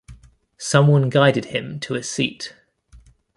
Someone guided him to a seat.